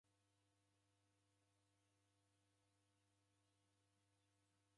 Nio umweri wa vilongozi va imbiri.